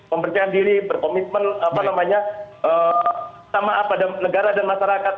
pemberdayaan diri berkomitmen apa namanya sama apa negara dan masyarakat